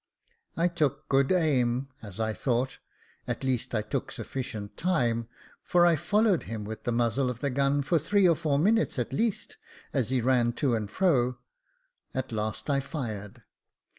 I took good aim, as I thought, at least I took sufficient time, for I followed him with the muzzle of the gun for three or four minutes at least, as he ran to and fro ; at last I fired.